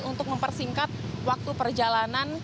untuk mempersingkat waktu perjalanan